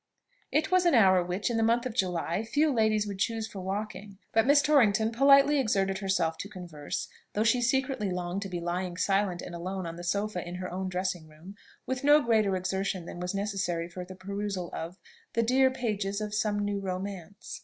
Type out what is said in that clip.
It was an hour which, in the month of July, few ladies would choose for walking; but Miss Torrington politely exerted herself to converse, though she secretly longed to be lying silent and alone on the sofa in her own dressing room, with no greater exertion than was necessary for the perusal of "The dear pages of some new romance."